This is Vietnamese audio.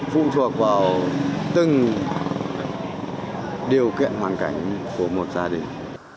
phụ thuộc vào từng điều kiện hoàn cảnh của một gia đình